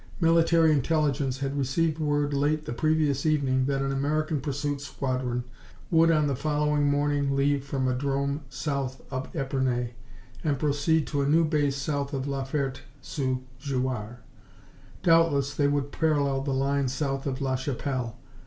Military Intelligence had received word late the previous evening that an American Pursuit Squadron would on the following morning leave from a 'drome south of Epernay and proceed to a new base south of La Ferte sous Jouarre. Doubtless they would parallel the line south of la Chapelle.